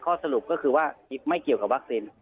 สรุปก็คือว่าไม่เกี่ยวกับวัคซีน